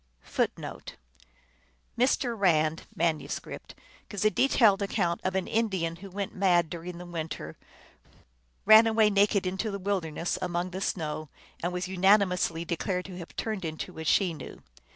1 1 Mr. Rand (manuscript) gives a detailed account of an In dian who went mad during the winter, ran away naked into the wilderness among the snows, and was unanimously declared to have turned into a Chenoo.